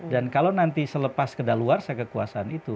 dan kalau nanti selepas kedaluarsa kekuasaan itu